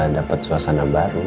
dapat suasana baru